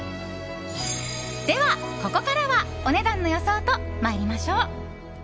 では、ここからはお値段の予想と参りましょう。